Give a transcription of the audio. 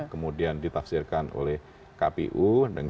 kemudian ditafsirkan oleh kpu